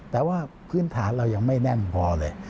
แต่ว่าพื้นฐานเรายังไม่แน่นพอเลย